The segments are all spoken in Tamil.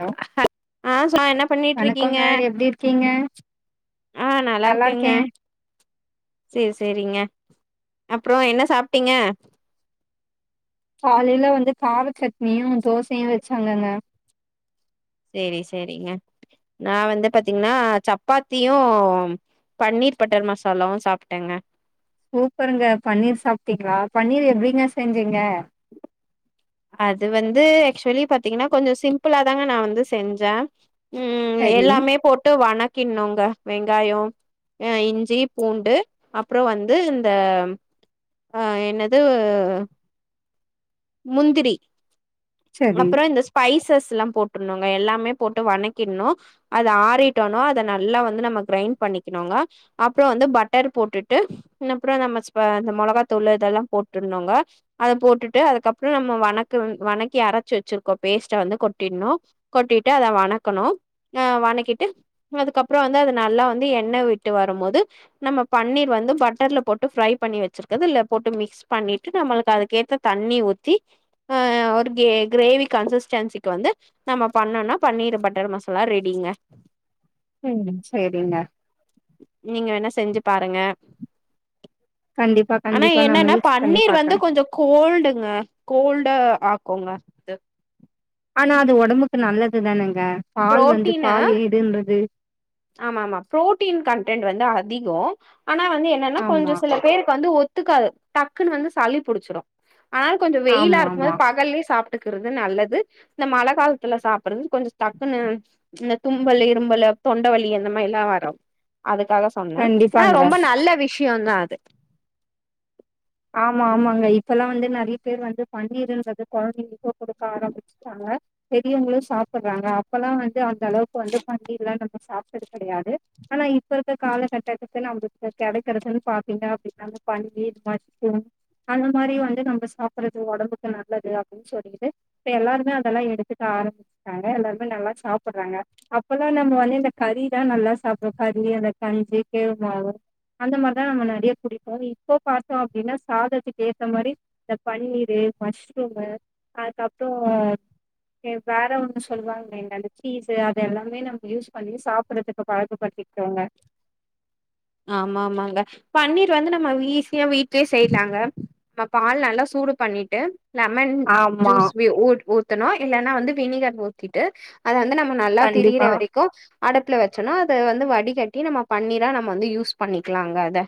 ஹலோ ஆஷா என்ன பண்ணிட்டு இருக்கீங்க வணக்கோங்க எப்டி இருக்கீங்க ஆ நல்லா இருக்கேங்க சேரி சேரிங்க அப்புறோம் என்ன சாப்டீங்க காலையில வந்து கார சட்னியும் தோசையும் வச்சாங்கங்க சேரி சேரிங்க நான் வந்து பாத்தீங்கன்னா சப்பாத்தியும் பன்னீர் பட்டர் மசாலாவும் சாப்பிட்டேங்க சூப்பருங்க பன்னீர் சாப்பிட்டீங்களா பன்னீர் எப்படிங்க செஞ்சீங்க அது வந்து ஆக்சுவலி பாத்தீங்கன்னா கொஞ்சம் சிம்பிளா தாங்க நான் வந்து செஞ்சேன் ம் சரி எல்லாமே போட்டு வணக் கினோங்க வெங்காயம் அ இஞ்சி பூண்டு அப்புறோம் வந்து இந்த ஆ என்னது முந்திரி சரி அப்புறோம் இந்த ஸ்பைசஸ் எல்லாம் போட்டுனுங்க எல்லாம் போட்டு வணக்கின்னும் அத ஆரிட்டோனா அத நல்லா வந்து கிரைன் பண்ணிக்கனுங்க அப்புறோம் வந்து பட்டர் போட்டுட்டு அப்புறோம் நம்ம ஸ்பைச மிளகாய்த்தூள் எல்லாம் போட்டருங்க அத போட்டு போட்டுட்டு அதுக்கப்புறோம் நாம வணக்கி அரச்சு வச்ச பேஸ்ட்ட கொட்டிடனும் கொட்டிட்டு அதை வணக்கனும் வணக்கீட்டு அதுக்கப்புறம் அது நல்லா வந்து எண்ண விட்டு வரும்போது நம்ம பண்ணிர் வந்து பட்டர்ல போட்டு ப்ரை பண்ணி வச்சிருகத போட்டு மிக்ஸ் பண்ணிட்டு நம்மளுக்கு அதுக்கேத்த தண்ணி ஊத்தி அ ஒரு கிரேவி கன்சிஸ்டன்சிக்கு வந்து நம்ம பண்ணோனா பன்னீர் பட்டர் மசாலா ரெடிங்க ம் சரிங்க நீங்க வேணா செஞ்சு பாருங்க கண்டிப்பா ஆனா கண்டிப்பா நான் என்னன்னா முயற்சி பண்ணி பன்னீர் வந்து பாக்குறேன் கொஞ்சோ கோல்டுங்க கோல்டா ஆக்குங்க அது ஆனா அது உடம்புக்கு நல்லதுதானே பால் வந்து புரோட்டீனு பால் ஏடுன்றது ஆமா ஆமா பு்ரோட்டீன் கன்டன்ட் வந்து அதிகம் ஆனா வந்து என்னன்னா ஆமா கொஞ்சம் சில பேருக்கு வந்து ஒத்துக்காது டக்குன்னு வந்து சளி புடிச்சிரும் ஆனா கொஞ்சம் வெயிலா ஆமா இருக்கும் போது ஆமா பகலேய சாப் ட்டுக்கிறது நல்லது இந்த மழ காலத்துல சாப்படுறது கொஞ்சம் டக்குன்னு இந்த தும்பலு இரும்பலு தொண்டவலி அந்த மாரிலாம் வரும் அதுக்காக சொன்னே ஆ ரொம்ப கண்டிப்பாங்க நல்ல விஷயந்தா அது [unintelligible] ஆமா ஆமாங்க இப்பெல்லா வந்து நெறய பேர் வந்து பன்னீருன்றது கொழந்தைகளுக்கு குடுக்க ஆரம்பிச்சட்டாங்க பெரியவங்களு சாப்புறாங்க அப்பல்லா வந்து அந்த அளவுக்கு வந்து பன்னீர்லா நம்ம சாப்றது கெடயாது ஆனா இப்ப இருக்க காலகட்டத்துக்கு நம்மளுக்கு கெடைக்குறதுன்னு பாத்தீங்க அப்டின்னா பன்னீர் மாரி அந்த மாரி வந்து நம்ம சாப்றது ஒடம்புக்கு நல்லது அப்டின் சொல்லிட்டு இப்ப எல்லாருமே அதெல்லா எடுத்துக்க ஆரம்பிச்சிட்டாங்க எல்லாருமே நல்லா சாப்புறாங்க அப்பல்லா நம்ம வந்து இந்த கறிதா நல்லா சாப்புட்றோ கறி அந்த கஞ்சி கேவு மாவு அந்த மாரிதா நம்ம நெறய குடிப்போ இப்போ பாத்தா அப்டின்னா சாதத்துக்கு ஏத்த மாரி இந்த பன்னீரு மஷ்ரூமு அதுக்கப்றோ வேற ஒன்னு சொல்லுவாங்கலைங்க அந்த சீஸு அது எல்லாமே நம்ம யூஸ் பண்ணி சாப்பறதுக்கு பழக்கப்படுத்திடோங்க ஆமா ஆமாங்க பன்னீர் வந்து நம்ம ஈசியா வீட்லயே செய்யலாங்க நம்ம பால் நல்லா சூடு பண்ணிட்டு லெமன் ஆமா ஜூஸ் ஊத்தணு இல்லன்னா வந்து வினிகர் ஊத்திட்டு அத வந்து நம்ம நல்லா திரியிற கண்டிப்பா வரைக்கு அடுப்புல வச்சுறனு அது வந்து வ பிடிக்காட்டி நம்ம பன்னீரா நம்ம வந்து யூஸ் பண்ணிக்கலாங்க அத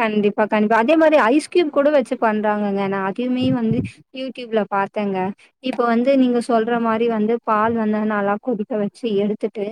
கண்டிப்பா கண்டிப்பா அதே மாரி ஐஸ் க்யூப் கூட வச்சு பண்றாங்கங்க நா அதையுமே வந்து யூடியூப்ல பார்த்தேங்க இப்ப வந்து நீங்க சொல்ற மாரி வந்து பால் வந்து நல்லா கொதிக்க வச்சு எடுத்துட்டு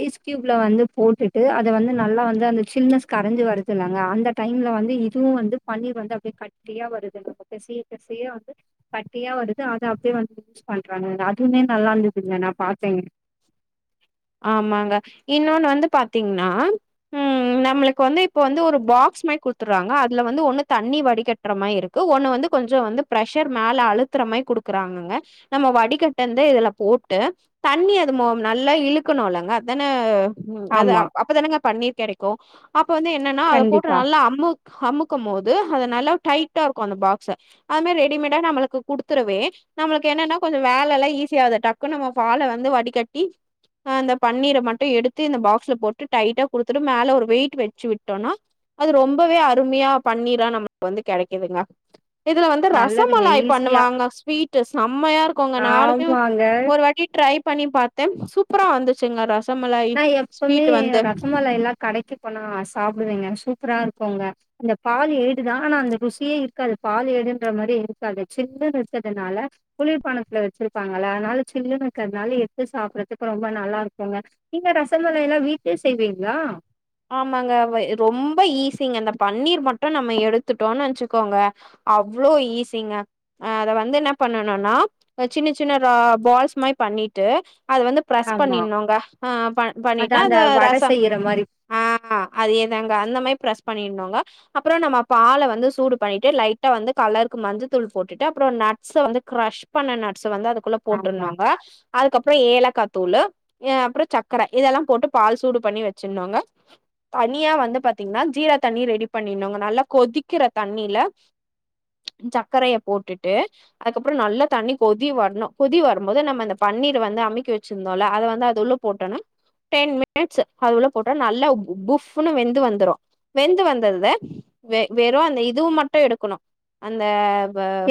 ஐஸ் க்யூப்ல வந்து போட்டுட்டு அத வந்து நல்லா வந்து அந்த சில்னஸ் கரஞ்சு வருதுலங்க அந்த டைம்ல வந்து இதுவு வந்து பன்னீர் வந்து அப்டியே கட்டியா வருது நம்ம பெசய பெசய வந்து கட்டியா வருது அத அப்டியே வந்து பண்றாங்கங்க அதுவுமே நல்லா இருந்துதுங்க நா பாத்தேங்க ஆமாங்க இன்னொன்னு வந்து பாத்தீங்னா உம் நம்மளுக்கு வந்து இப்ப வந்து ஒரு பாக்ஸ் மாதிரி குடுத்துடுறாங்க அதுல வந்து ஒன்னு தண்ணி வடிகட்ற மாரி இருக்கு ஒன்னு வந்து கொஞ்சோ வந்து ப்ரஷர் மேல அழுத்துற மாரி குடுக்குறாங்கங்க நம்ம வடிகட்டுந்து இதுல போட்டு தண்ணி அது நல்லா இழு இருக்கணுல்லங்க அதான உம் அது ஆமா, அப்பதானாங்க பனீர் கெடைக்கு அப்போ வந்து என்னென்னா அதபோட்டு கண்டிப்பா. நல்லா அமு அமுக்கும் போது அத நல்லா டைட் இருக்கு அந்த பாக்ஸ அது மாரி ரெடிமேடா நம்மளுக்கு குடுத்துருவே நம்மளுக்கு என்னன்னா கொஞ்சோ வேல எல்லா ஈஸியது டக்கு நம்ம பால வந்து வடிகட்டி ஆ அந்த பன்னீர மட்டு எடுத்து இந்த பாக்ஸ்ல போட்டு டைட்டா குடுத்துட்டு மேல ஒரு வெயிட் வச்சு விட்டோனா அது ரொம்பவே அருமையா பன்னீரா நமக்கு வந்து கெடைக்குதுங்க இதுல வந்து நல்லதுங்க ரசமலாய் ஈஸியா. பண்ணுவாங்க ஸ்வீட் செம்மையா இருக்குங்க நானும்மே ஆமாங்க. ஒரு வாட்டி ட்ரை பண்ணி பாத்தே சூப்ப்ரா வந்துச்சுங்க ரச நா எப்பவுமே ரசமலாய்லா கடைக்கு போனா சாப்டுவேங்க சூப்பரா இருக்கோங்க அந்த பால் ஏடுதா ஆனா அந்த ருசியே இருக்காது பால் ஏடுன்ற மாரி இருக்காது சில்லுன்னு இருக்கிறதுனால குளிர்பாணத்ல வச்சிருப்பாங்கள அதனால சில்லுன்னு இருக்குறதுனால எடுத்து சாப்பறதுக்கு ரொம்ப நல்லா இருக்குங்க நீங்க ரசமலாய் எல்லா வீட்லேயே செய்வீங்ளா ஆமாங்க ரொம்ப ஈஸிங்க இந்த பன்னீர் மட்டு நம்ம எடுத்துட்டோன்னு வெச்சுக்கோங்க அவ்ளோ ஈஸிங்க அத வந்து என்ன பண்ணனுனா சின்ன சின்ன பால்ஸ் மாரி பண்ணிட்டு அத வந்து ப்ரஸ் ஆமா பண்ணிருனுங்க ஆ அது பண்ணிட்டா அந்த அத வட ரசம் செய்யற மாரி ஆ அதேதாங்க அந்த மாரி பிரெஸ் பண்ணிருந்தோங்க அப்பறோ நம்ம பால வந்து சூடு பண்ணிட்டு லைட்டா வந்து கலருக்கு மஞ்ச தூள் போட்டுட்டு அப்றோ நட்ஸ வந்து க்ரஷ் பண்ண நட் வந்து அதுக்குள்ள ஆமா போட்டுருனுங்க அதுக்கப்புற ஏலக்கா து தூளு அப்பறோ சக்கர இதெல்லா போட்டு பால் சூடு பண்ணி வச்சிருந்தோங்க தனியா வந்து பாத்தீங்கனா ஜீரா தண்ணி ரெடி பண்ணினும்ங்க நல்லா கொதிக்கிற தண்ணியில சக்கரய போட்டுட்டு அதுக்கப்றோ நல்லா தண்ணி கொதி வரணு கொதி வரும் போது நம்ம அந்த பன்னீர் வந்து அமிக்கி வச்சிருந்தோல அத வந்து அது உள்ள போட்றணு டென் மினிட்ஸ் அது உள்ள போட்டா நல்லா ல்லா புஃப்னு வெந்து வந்துரு வெந்து வந்தத வெறு அந்த இதுவு மட்டு எடுக்கணு அந்த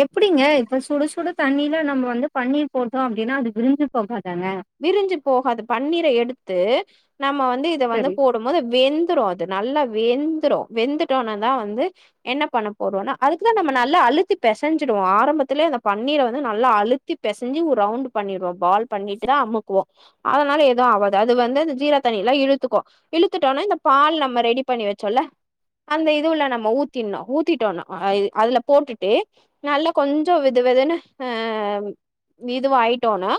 எப்டிங்க இப்ப சுட சுட தண்ணியில நம்ம வந்து பண்ணீர் போட்டோம் அப்டின்னா அது விரிஞ்சு போகாது விரிஞ்சு போகாது பன்னீரை எடுத்து நம்ம வந்து இதை வந்து சரி போடும் போது வெந்துரும் நல்லா வெந்துரும் வெந்துட்டோன தான் வந்து என்ன பண்ண போறோம்னா அதுக்குதான் நம்ம நல்லா அழுத்தி பெசஞ்சுருவோம் ஆரம்பத்திலே அந்த பண்ணீரை வந்து நல்லா அழுத்தி பெசஞ்சி ரவுண்டு பண்ணிருவோம் பால் பண்ணி அமுக்குவோம் அதனால எதுவும் ஆவாது அது வந்து இந்த ஜீரா தண்ணியில இழுத்துக்கும் இழுத்துட்டோனா இந்த பால் நம்ம ரெடி பண்ணி வச்சோம்ல்ல அந்த இதுவுள்ள நம்ம ஊத்தின்னும் ஊத்திட்டோம் அதுல போட்டுட்டு நல்லா கொஞ்சம் வெது வெதுன்னு அ இதுவா ஆயிட்டோனா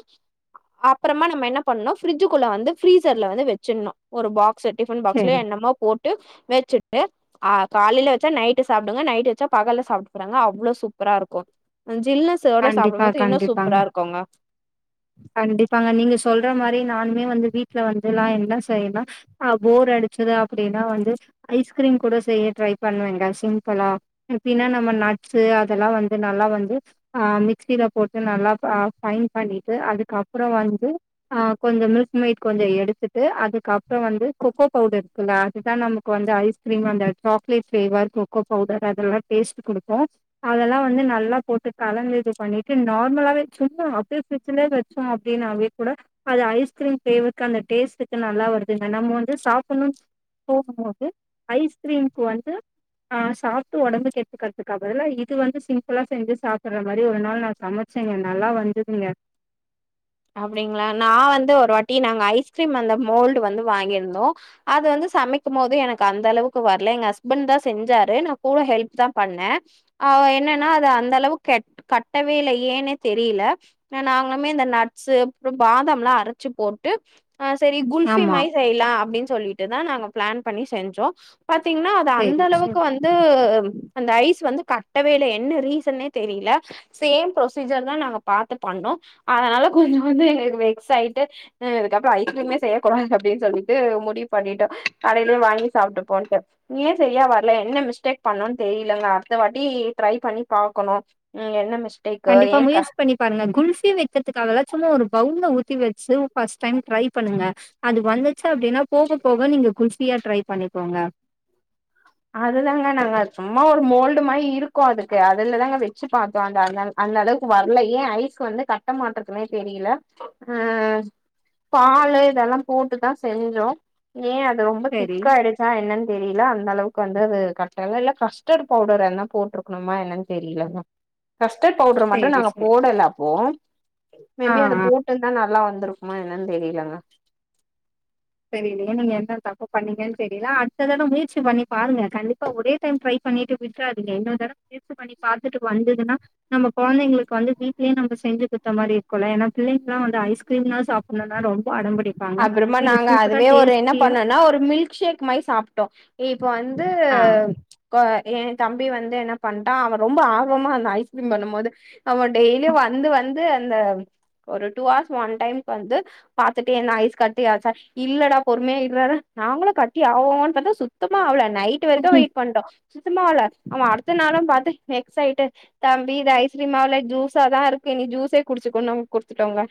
அப்புறமா நம்ம என்ன பண்ணும் ஃப்ரிட்ஜ்க்குள்ள வந்து ஃப்ரீஸர்ல வந்து வச்சணும் ஒரு பாக் டிஃபன் பாக்ஸ்ல சரி என்னமா போட்டு வெச்சுட் ஆ காலையில வச்சா நைட்டு சாப்பிடுங்க நைட்டு வச்சா பகல சாப்பிட்டு போறாங்க அவ்வளோ சூப்பரா இருக்கும் ஜில்னஷ்சோட சாப்பிடும் கண்டிப்பா போது இன்னும் கண்டிப்பாங்க சூப்பரா இருக்கும்ங்க கண்டிப்பாங்க நீங்க சொல்ற மாதிரி நான்னுமே வந்து வீட்டுல வந்து எல்லாம் என்ன செய்யனா ஆ போர் அடிச்சது அப்படின்னா வந்து ஐஸ்கிரீம் கூட செய்ய ட்ரை பண்ணுவேங்க சிம்பிளா எப்டின்னா நம்ம நட்ஸு அதெல்லாம் வந்து நல்லா வந்து ஆ மிக்சியில் போட்டு நல்லா ஃபைன் பண்ணிவிட்டு அதுக்கப்புறம் வந்து கொஞ்சம் மில்க் மேட் கொஞ்சம் எடுத்துட்டு அதுக்கப்புறம் வந்து கொக்கோ பவுடர் இருக்குல்ல அதுதான் நமக்கு வந்து ஐஸ்கிரீம் அந்த சாக்லேட் ஃப்ளேவர் கொக்கோ பவுடர் அதெல்லாம் டேஸ்ட் கொடுக்கும் அதெல்லாம் வந்து நல்லா போட்டு கலந்து இது பண்ணிட்டு நார்மலாவே சும்மா அப்படியே ஃப்ரிட்ஜ்லயே வச்சோம் அப்படின்னாவே கூட அது ஐஸ்கிரீம் ஃப்ளேவருக்கு அந்த டேஸ்டுக்கு நல்லா வருதுங்க நம்ம வந்து சாப்பிட்ணும்னு போகும்போது ஐஸ்கிரீம்முக்கு வந்து அ சாப்பிட்டு உடம்பு கெடுத்துக்கிறதுக்காக தான் இது வந்து சிம்பிளா செஞ்சு சாப் சொல்ற மாதிரி ஒரு நாள் நான் சமைச்சேங்க நல்லா வந்ததுங்க அப்படிங்களா நான் வந்து ஒரு வாட்டி நாங்க ஐஸ்கிரீம் அந்த மோல்டு வந்து வாங்கியிருந்தோம் அது வந்து சமைக்கும் போது எனக்கு அந்த அளவுக்கு வர்ல எங்க ஹஸ்பண்ட் தான் செஞ்சாரு நான் கூட ஹெல்ப் தான் பண்ணேன் அ என்னன்னா அது அந்த அளவுக்கு கேட் கட்டவே இல்ல யேன்னே தெரியல நாங்களுமே இந்த நட் ட்ஸ்ஸு அப்புறம் பாதாம் எல்லாம் அரைச்சு போட்டு ஆ செரி குல்ஃபி ஆமா மாரி செய்யலாம் அப்படின்னு சொல்லிட்டு தான் நாங்க ப்ளான் பண்ணி செஞ்சோம் பாத்தீங்கன்னா அது அந்த சேரி அளவுக்கு சேரி வந்து அந்த ஐஸ் வந்து கட்டவே இல்ல என்ன ரீசன்னே தெரியல சேம் புரொசீஜர் தான் நாங்க பார்த்து பண்ணோம் அதனால கொஞ்சம் வந்து எங்களுக்கு வெக்ஸ் ஆயிட்டு இதுக்கப்புறம் ஐஸ்கிரீமே செய்யக்கூடாது அப்படின்னு சொல்லிட்டு முடிவு பண்ணிட்டோம் கடையிலயே வாங்கி சாப்பிட்டுபோம்ட்டு ஏன் சரியா வர்ல என்ன மிஸ்டேக் பண்ணோம்ன்னு தெரியலங்க அடுத்த வாட்டி ட்ரை பண்ணி பாக்கணும் என்ன மிஸ் கண்டிப்பா முயற்சி பண்ணி பாருங்க குல்ஃபி வைச்சதுக்காக தான் சும்மா ஒரு பவுல ஊத்தி வச்சு ஃபர்ஸ்ட் டைம் ட்ரை பண்ணுங்க அது வந்துச்சு அப்படின்னா போக போக நீங்க குல்ஃபியா ட்ரை பண்ணிக்கோங்க அதுதாங்க நாங்க சும்மா ஒரு மோல்டு மாதிரி இருக்கும் அதுக்கு அதுலதாங்க வச்சு பார்த்தோம் அந்த அந்த அந்த அளவுக்கு வர்ல ஏன் ஐஸ் வந்து கட்ட மாட்டதுன்னே தெரியல அ பாலு இதெல்லாம் போட்டுதான் செஞ்சோம் ஏன் அது ரொம்ப சேரி திக்கா ஆயிடுச்சா என்னன்னு தெரியல ஹலோ வந்து அது கட்டல இல்ல கஸ்டர்ட் பவுடர் எல்லா போட்டிருக்கணுமா என்னன்னு தெரியல கஸ்டர்ட் பவுடரு மட்டும் சேரி நாங்க சேரி. போடலஅப்போ மே ஆ பி அதை ஆ போட்டு இருந்தாலும் நல்லா வந் துருக்குமா என்னன்னு தெரியலங்க சரி இனிமே நீங்க என்ன தப்ப பண்ணீங்கன்னு தெரியல அடுத்த தடம் முயற்சி பண்ணி பாருங்க கண்டிப்பா ஒரே டைம் ட்ரை பண்ணிட்டு விட்டுறாதீங்க இன்னொரு தடம் முயற்சி பண்ணி பார்த்துட்டு வந்ததுன்னா நம்ம குழைங்களுக்கு வந்து வீட்லேயே நம்ப செஞ்ச குடுத்த மாதிரி இருக்கல்ல ஏனா பிள்ளைங்களல்லாம் வந்து ஐஸ்கிரீம்லாம் சாப்பிடணும்னா ரொம்ப அடம் பிடிப்பாங்க அப்புறமா நாங்க அதுவே ஒரு என்ன பண்ணோனா ஒரு மில்சேக் மாதிரி சாப்ட்டோ இப்ப ஒன் ந்து ஆ எ தம்பி வந்து என்ன பண்ட்டா அவ ரொம்ப ஆர்வமா இருந்தா ஐஸ்கிரீம் பண்ணும் போது அவ டெய்லியு வந்து வந்து அந்த ஒரு டூ அவர்ஸ் ஒன் டைம் வந்து பாத்து ஏன் ஐஸ் கட்டியா இருக்கா இல்லடா பொறுமய இருறா நாங்களு கட்டி ஆவோனு பாத்தா சுத்தமா ஆவல நைட் வரைக்கு வெயிட் பண்டோ சுத்தமாவல அவ அடுத்த நாளு பாத்து வெக்ஸ் ஆட்டு தம்பி இத ஐஸ்கிரீம் ஆகல ஜூஸா தா இருக்கு இனி ஜூஸே குடிச்சுக்கனு நாங்க குடுத்துட்டோங்க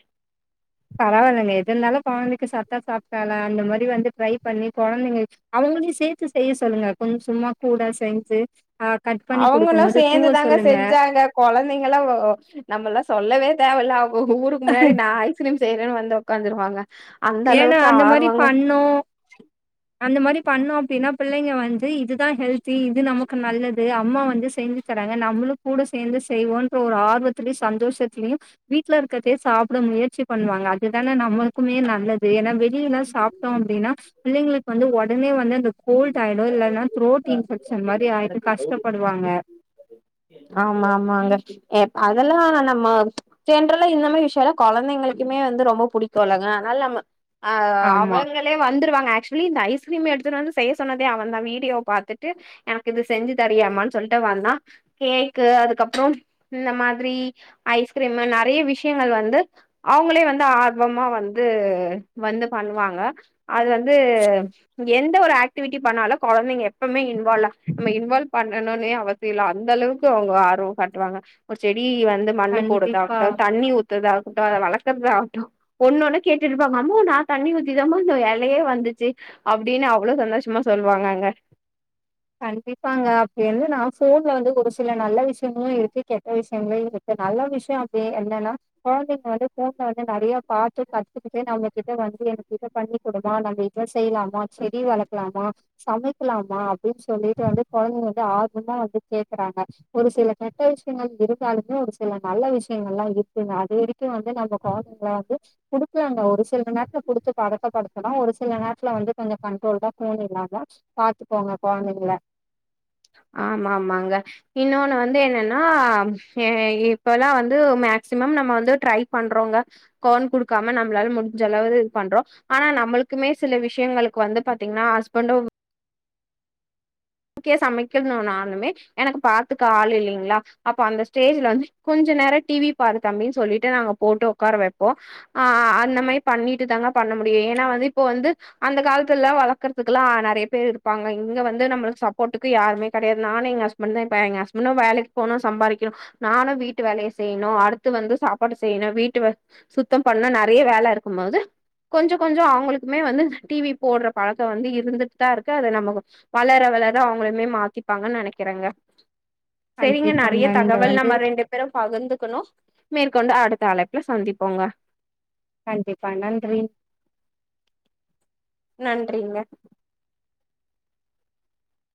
பரவாயில்லைங்க எது இருந்தாலு கொழந்தைக்கு சத்தா சாப்ட்டால அந்த மாதிரி வந்து ட்ரை பண்ணி கொழந்தைங்க அவுங்களையு சேத்து செய்ய சொல்லுங்க கொஞ்சோ சும்மா கூட செஞ்சு ஆ கட் பண்ணி அவுங்களு குடுக்கும்போது தூவ சேந்துதாங்க சொல்லுங்க. செஞ்சாங்க கொழந்தைங்களா நம்மல்லா சொல்லவே தேவலா ஒங்க ஊருக்கு முன்னாடி நா ஐஸ் கிரீம் செய்றேன்னு வந்து ஒக்காந்துருக்கோங்க ஏன்னா அந்த மாதிரி பண்ணோ அந்த மாதிரி பண்ணோ அப்டின்னா பிள்ளைங்க வந்து இதுதா ஹெல்தி இது நம நல்லது அம்மா வந்து செஞ்சு தராங்க நம்மளு கூட சேந்து செய்வோன்ற ஒரு ஆர்வத்திலயு சந்தோஷத்தலயு வீட்ல இருக்குறதே சாப்ட முயற்சி பண்ணுவாங்க அதுதானே நம்மளுக்குமே ந நல்லது ஏனா வே ல்லா சாப்ட்டோ அப்டின்னா பிள்ளங்களுக்கு வந்து ஒடம் ஒடனே வந்து அது கோல்ட் ஆயிடு இல்லன்ன த்ரோட் இன்ஃபெக்க்ஷன் மாதிரி ஆயிட்டு கஷ்டப்படுவாங்க ஆமா ஆமாங்க அதெல்லா நம்ம ஜென்றல்லா இந்த மாரி விஷயோ எல்ல கொழந்தைங்களுக்குமே வந்து ரொம்ப பிடிக்கு இல்லங்க அதனால நம்ம ஆ ஆமா அவுங்களே வந்துருவாங்க ஆக்சுவலி இந்த ஐஸ் கிரிம் எடுத்துட்டு வந்து செய்ய சொன்னதே அவன் தா வீடியோ பார்த்துட்டு எனக்கு இது செஞ்சு தரியாமான்னு சொல்லிட்டு வந்தா கேக்கு அதுக்கப்பறோ இந்த மாதிரி ஐஸ்கிரீம் நெறய விஷயங்கள் வந்து அவுங்களே வந்து ஆர்வமா வந்து வந்து பண்ணுவாங்க அது வந்து எந்த ஒரு ஆக்டிவிட்டி பண்ணாலு கொழந்தைங்க எப்பவுமே இன்வால்வ் நம்ம இன்வால்வ் பண்ணணுனே அவசியமே இல்ல அந்த அளவுக்கு அவுங்க ஆர்வோ காட்டுவாங்க ஒரு செடி இ வந்து மண்ணு கண்டிப்பா போடுதாகட்டு தண்ணி ஊத்துதாகட்டு அத வளர்க ஆகட்டு ஒன்னொன்னு கேட்டுருப்பாங்க ஆமா நா தண்ணி ஊத்திதாமா அந்த எலயே வந்துச்சு அப்டின்னு அவ்வளோ சந்தோஷமா சொல்லுவாங்கங்க கண்டிப்பாங்க அப்டி இருந்து நா ஃபோன்ல வந்து ஒரு சில நல்ல விஷய தோ இருக்கு கெட்ட விஷய என நல்ல விஷயோ அப்டி என்னன்னா கொழந்தைங்க வந்து ஃபோன்ல வந்து நெறய பாத்து கத்துக்கிட்டு நம்ம கிட்ட வந்து எனக்கு இத பண்ணி குடுமா நம்ம இத செய்யலாமா செடி வளக்கலாமா சமைக்கலாமா அப்டின்னு சொல்லிட்டு வந்து கொழந்தைங்க வந்து ஆர்வமா வந்து கேக்குறாங்க ஒரு சில கெட்ட விஷயங்கள் இருந்தாலுமே ஒரு சில நல்ல விஷயங்கள் எலா இருக்குங்க அது வரைக்கு வந்து நம்ம கொழந்தைங்க வந்து குடுக்கலாங்க ஒரு சில நேரத்ல குடுத்து பழக்கப்படுத்தலா ஒரு சில நேரத்ல வந்து கொஞ்ச கண்ட்ரோல்டா ஃபோன் இல்லாம பாத்துப்போங்க போனதில்ல ஆமா ஆமாங்க இன்னொன்னு வந்து என்னன்னா ஆ இப்பல்லா வந்து மேக்சிமம் நம்ம வந்து ட்ரை பண்றோங்க போன் குடுக்காம நம்மளால முடிஞ்சளாவது இது பண்றோ ஆனா நம்மளுக்குமே சில விஷயங்களுக்கு வந்து பாத்தீங்கன்னா ஹஸ்பண்டு கே சமைக்கணும்னாலுமே எனக்கு பாத்துக்க ஆள் இல்லிங்களா அப்ப அந்த ஸ்டேஜ்ல வந்து கொஞ்ச நேரம் டிவி பாரு தம்பி சொல்லிட்டு நாங்க போட்டு வொக்கார வப்போ ஆ அந்த மாரி பண்ணிட்டு தாங்க பண்ண முடியும் ஏனா வந்து இப்ப வந்து அந்த காலத்து எல்லா வளக்கறதுக்கெல்லா நெறைய பேரு இருப்பாங்க இங்க வந்து நம்மளுக்கு சப் போட்டுக்கு யாருமே கெடையாது நானு எங்க ஹஸ்பண்ட் தா இப்ப எங்க ஹஸ்பண்ட் வேலைக்கு போனு சம்பாதிக்கணு நானு வீட்டு வேலய செய்யணு அடுத்து வந்து சாப்பாடு செய்யணு வீட்டு சுத்தம் பண்ணு நெறைய வேல இருக்கு போது கொஞ்ச கொஞ்ச அவங்களுக்குமே வந்து டிவி போடுற பழக்க வந்து இருந்துட்டு தா இருக்கு அத நம வளர வளர இத அவுங்கலுமே மாத்திப்பாங்கன்னு நெனைக்கிறேங்க செரிங்க நெறைய கண்டிப்பாங்க நீங்க தகவல் வந்து நம்ம ரெண்டு பேரு பகிர்ந்துக்கனு மேற்கொண்டு அடுத்த அழைப்புல சந்திப்போங்க கண்டிப்பா நன்றி நன்றிங்க